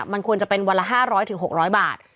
มันควรจะเป็นวันละ๕๐๐๖๐๐บาท